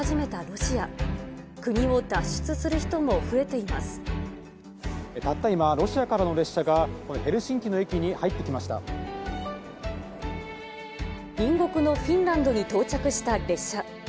たった今、ロシアからの列車が、隣国のフィンランドに到着した列車。